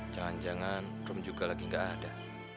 jangan jangan room juga lagi nggak ada